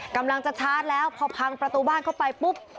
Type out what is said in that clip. กำลังจะชาร์จแล้วพอพังประตูบ้านเข้าไปปุ๊บ